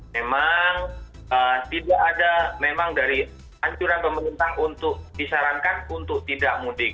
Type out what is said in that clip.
memang tidak ada memang dari anjuran pemerintah untuk disarankan untuk tidak mudik